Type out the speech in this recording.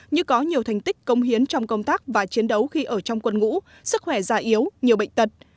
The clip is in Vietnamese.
như có nhiều thành tích công hiến trong công tác và chiến đấu khi ở trong quân ngũ sức khỏe già yếu nhiều bệnh tật